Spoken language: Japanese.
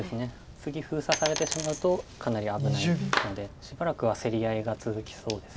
次封鎖されてしまうとかなり危ないのでしばらくは競り合いが続きそうです。